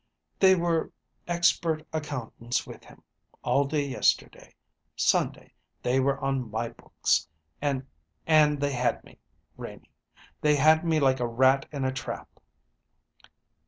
"They were expert accountants with him. All day yesterday, Sunday, they were on my books; and and they had me, Renie they had me like a rat in a trap."